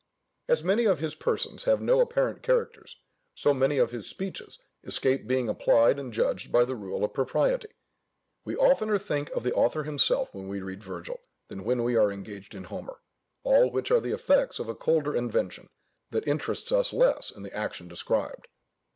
As many of his persons have no apparent characters, so many of his speeches escape being applied and judged by the rule of propriety. We oftener think of the author himself when we read Virgil, than when we are engaged in Homer, all which are the effects of a colder invention, that interests us less in the action described.